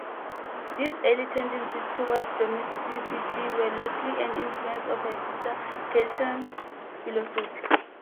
These early tendencies toward domesticity were likely an influence of her sister Catherine's philosophy.